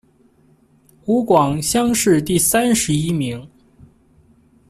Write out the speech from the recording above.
湖广乡试第三十一名。